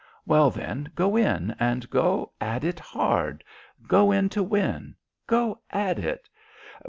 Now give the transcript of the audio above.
Well, then, go in, and go at it hard. Go in to win. Go at it."